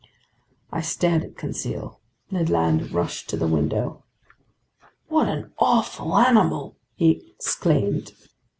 I stared at Conseil. Ned Land rushed to the window. "What an awful animal!" he exclaimed.